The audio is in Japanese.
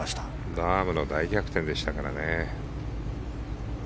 ラームの大逆転でしたからね。